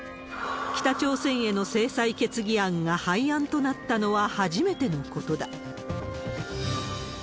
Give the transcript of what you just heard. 北朝鮮への制裁決議案が廃案となったのは初めてのことだ。